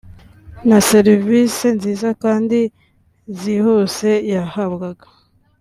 na serivise nziza kandi zihuse yahabwaga